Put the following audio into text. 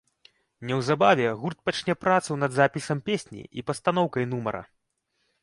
Неўзабаве гурт пачне працу над запісам песні і пастаноўкай нумара.